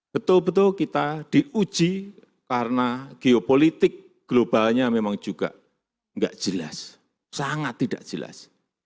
betul betul kita diuji karena geopolitik globalnya memang juga tidak jelas sangat tidak jelas